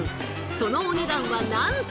そのお値段はなんと。